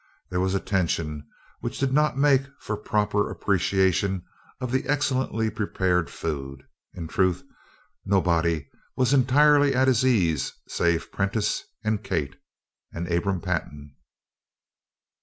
There was a tension which did not make for a proper appreciation of the excellently prepared food. In truth, nobody was entirely at his ease save Prentiss and Kate and Abram Pantin.